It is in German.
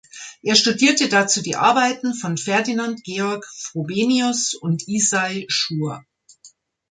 Er studierte dazu die Arbeiten von Ferdinand Georg Frobenius und Issai Schur.